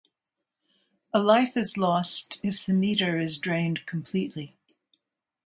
A life is lost if the meter is drained completely.